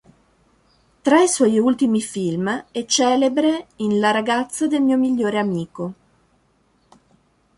Tra i suoi ultimi film, è celebre in "La ragazza del mio migliore amico".